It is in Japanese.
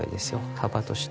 幅として。